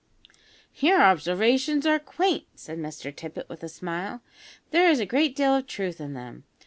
"Your observations are quaint," said Mr Tippet, with a smile; "but there is a great deal of truth in them.